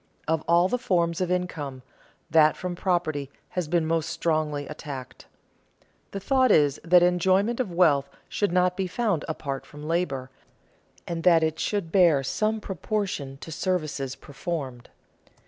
Of all the forms of income, that from property has been most strongly attacked. The thought is that enjoyment of wealth should not be found apart from labor, and that it should bear some proportion to services performed.